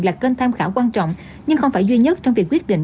là kênh tham khảo quan trọng nhưng không phải duy nhất trong việc quyết định